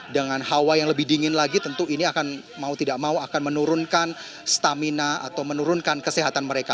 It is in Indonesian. dengan hawa yang lebih dingin lagi tentu ini akan mau tidak mau akan menurunkan stamina atau menurunkan kesehatan mereka